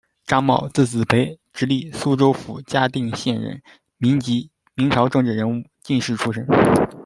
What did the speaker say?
张茂，字子培，直隶苏州府嘉定县人，民籍，明朝政治人物、进士出身。